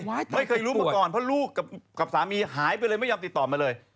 ไม่เคยรู้มาก่อนเพราะลูกกับสามีหายไปเลยไม่ยอมติดต่อมาเลย